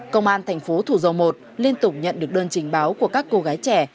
công an thành phố thủ dầu một liên tục nhận được đơn trình báo của các cô gái trẻ